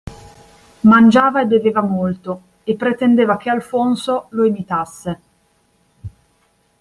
Mangiava e beveva molto, e pretendeva che Alfonso lo imitasse.